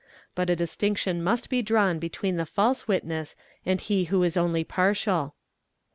But a distinction must be drawn between the false witness — and he who is only partial.